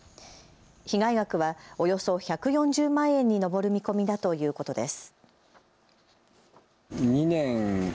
被害額はおよそ１４０万円に上る見込みだということです。